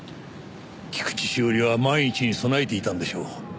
菊地詩織は万一に備えていたのでしょう。